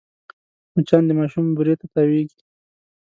مچان د ماشوم بوري ته تاوېږي